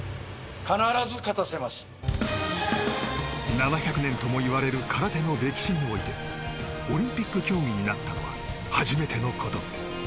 ７００年ともいわれる空手の歴史においてオリンピック競技になったのは初めてのこと。